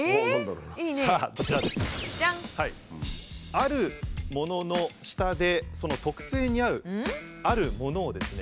あるものの下でその特性に合うあるものをですね